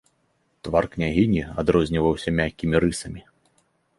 Твар княгіні адрозніваўся мяккімі рысамі.